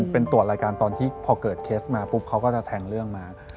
เป็นตรวจรายการตอนที่พอเกิดเคสมาปุ๊บเขาก็จะแทงเรื่องมา